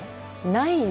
ないね！